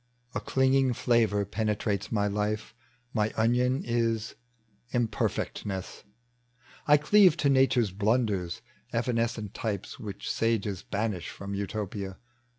A clinging fl!avor penetrates my life — My onion is imperfcctness : I cleave To nature's blanders, evanescent types Which sages banish from Utopia.